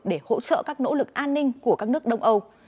để hỗ trợ các nỗ lực an ninh của các nước đông âu